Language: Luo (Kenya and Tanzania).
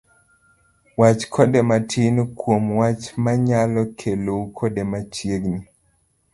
wach kode matin kuom wach moro mayalo kelou kode machiegni.